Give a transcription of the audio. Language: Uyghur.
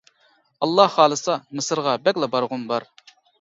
ئاللا خالىسا مىسىرغا بەكلا بارغۇم بار.